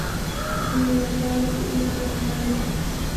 Зны ҩадароуп, зны хлаӷьароуп…